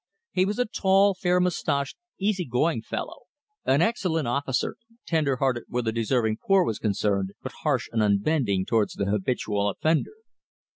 He was a tall, fair moustached, easy going fellow, an excellent officer, tender hearted where the deserving poor was concerned, but harsh and unbending towards the habitual offender.